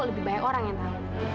lebih banyak orang yang tahu